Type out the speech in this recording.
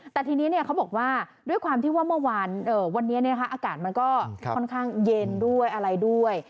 แต่ทีนี้เขาบอกว่าด้วยความที่ว่าเมื่อวานวันนี้อากาศมันก็ค่อนข้างเย็นด้วยอะไรด้วย